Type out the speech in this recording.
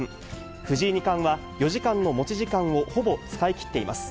藤井二冠は４時間の持ち時間をほぼ使い切っています。